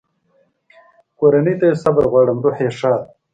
کورنۍ ته یې صبر غواړم، روح یې ښاد.